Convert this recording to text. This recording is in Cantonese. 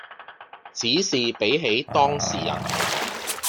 只是比起當時人